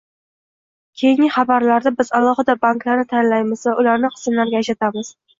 Keyingi xabarlarda biz alohida banklarni tanlaymiz va ularni qismlarga ajratamiz